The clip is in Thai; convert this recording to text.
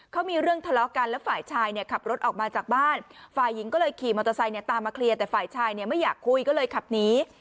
เขามีเรื่องทะเลาะกันแล้วฝ่ายชายเนี่ยขับรถออกมาจากบ้านฝ่ายหญิงก็เลยขี่มอเตอร์ไซค์เนี่ยตามมาเคลียร์แต่ฝ่ายชายเนี่ยไม่อยากคุยก็เลยขับหนี